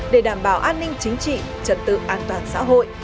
để đảm bảo an ninh chính trị trật tự an toàn xã hội